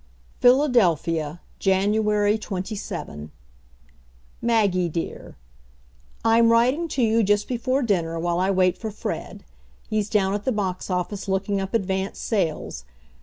PHILADELPHIA, January 27. Maggie, dear: I'm writing to you just before dinner while I wait for Fred. He's down at the box office looking up advance sales.